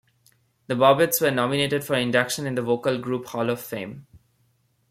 The Bobbettes were nominated for induction in the Vocal Group Hall of Fame.